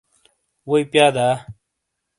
ووئی پِیا دا؟